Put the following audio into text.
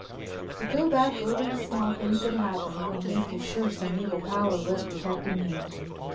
To go back over the small things that happened would make you sure some evil power was protecting him.